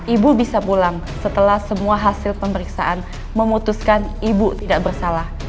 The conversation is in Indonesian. ibu bisa pulang setelah semua hasil pemeriksaan memutuskan ibu tidak bersalah